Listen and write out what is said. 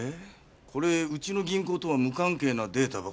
これうちの銀行とは無関係なデータばかり。